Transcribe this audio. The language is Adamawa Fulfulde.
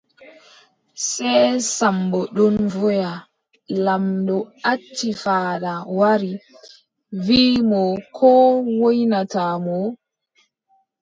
Sey Sammbo ɗon woya, laamɗo acci faada wari, wiʼi mo ko woynata mo.